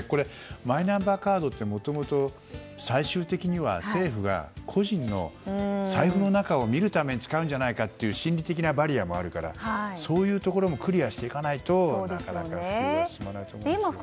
マイナンバーカードってもともと最終的には政府が個人の財布の中を見るために使うんじゃないかという心理的なバリアもあるからそういうところもクリアしていかないとなかなか進まないと思いますね。